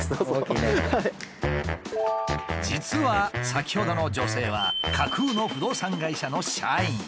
実は先ほどの女性は架空の不動産会社の社員。